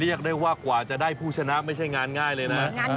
เรียกได้ว่ากว่าจะได้ผู้ชนะไม่ใช่งานง่ายเลยนะ